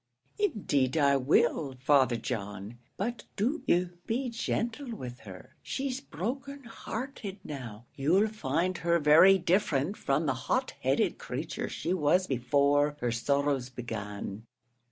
"Indeed I will, Father John, but do you be gentle with her. She's broken hearted now; you'll find her very different from the hot headed creature she was before her sorrows began."